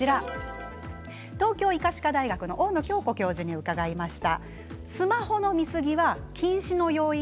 東京医科歯科大学の教授に伺いました。